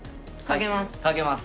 賭けます。